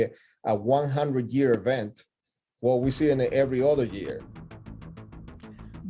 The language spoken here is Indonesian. ini akan menjadi acara seratus tahun yang kita lihat setiap tahun lain